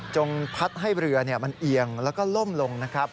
พัดให้เรือมันเอียงแล้วก็ล่มลงนะครับ